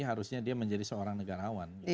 harusnya dia menjadi seorang negarawan